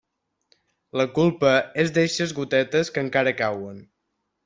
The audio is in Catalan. La culpa és d'eixes gotetes que encara cauen.